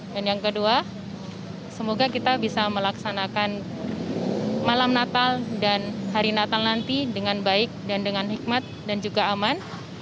dan yang kedua semoga kita bisa melaksanakan malam natal dan hari natal nanti dengan baik dan dengan hikmat dan juga aman